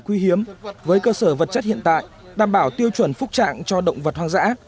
quý hiếm với cơ sở vật chất hiện tại đảm bảo tiêu chuẩn phúc trạng cho động vật hoang dã